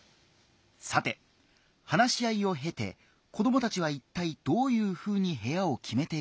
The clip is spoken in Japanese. さて話し合いをへて子どもたちはいったいどういうふうに部屋を決めていくのか。